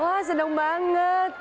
wah senang bangetnya